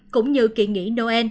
cũng như kỵ nghị